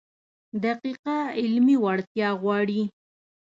دقیقه علمي وړتیا غواړي.